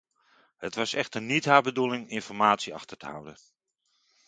Het was echter niet haar bedoeling informatie achter te houden.